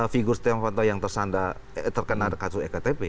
figur stiano vanto yang terkena kasus ektp